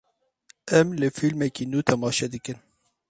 Em li fîlmekî nû temaşe dikin.